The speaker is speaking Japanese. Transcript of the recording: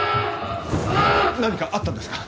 何かあったんですか？